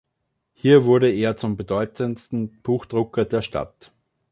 Hier wurde er zum bedeutendsten Buchdrucker der Stadt.